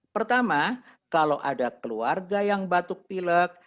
pertama kalau ada keluarga yang batuk pilek